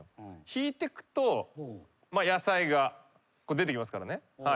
引いてくと野菜が出てきますからね。